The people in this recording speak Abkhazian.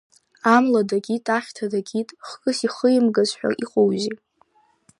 Амла дакит, ахьҭа дакит, хкыс ихимгаз ҳәа иҟоузеи.